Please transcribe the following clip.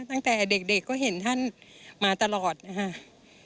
ตั้งแต่เด็กก็เห็นท่านมาตลอดนะคะ